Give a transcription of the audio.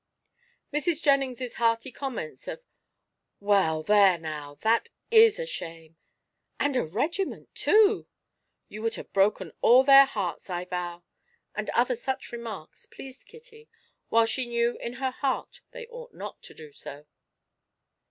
Mrs. Jennings's hearty comments of "Well, there now, that is a shame!" and "A regiment too! You would have broken all their hearts, I vow!" and other such remarks pleased Kitty, while she knew in her heart they ought not to do so.